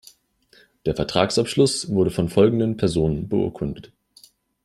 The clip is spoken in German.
Der Vertragsabschluss wurde von folgenden Personen beurkundet.